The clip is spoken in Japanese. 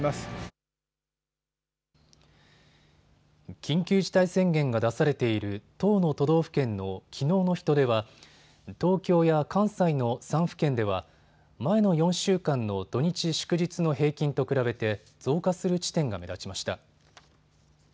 緊急事態宣言が出されている１０の都道府県のきのうの人出は東京や関西の３府県では前の４週間の土日祝日の平均と比べて増加する地点が目立ちました。